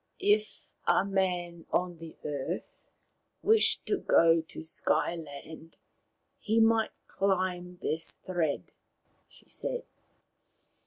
" If a man on the earth wished to go to Sky land he might climb this thread," she said.